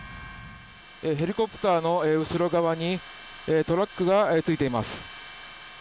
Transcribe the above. ヘリコプターの後ろ側にトラックがついています。